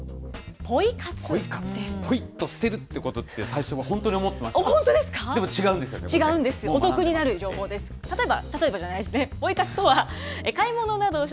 ぽいっと捨てるってことって、最初は本当に思ってました。